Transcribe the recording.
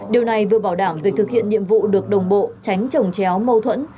điều này vừa bảo đảm việc thực hiện nhiệm vụ được đồng bộ tránh trồng chéo mâu thuẫn